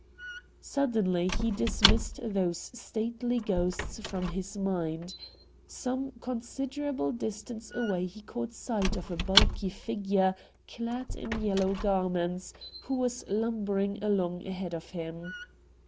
Suddenly he dismissed those stately ghosts from his mind. Some considerable distance away he caught sight of a bulky figure clad in yellow garments, who was lumbering along ahead of him.